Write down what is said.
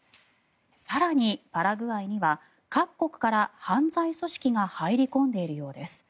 更に、パラグアイには各国から犯罪組織が入り込んでいるようです。